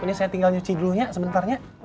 ini saya tinggal nyuci dulunya sebentarnya